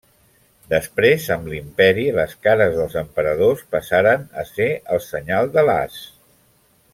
Després amb l'imperi les cares dels emperadors passaren a ser el senyal de l'as.